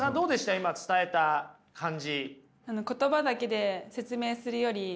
今伝えた感じ。